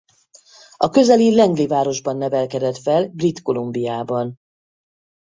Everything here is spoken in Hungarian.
A közeli Langley városban nevelkedett fel Brit Columbiában.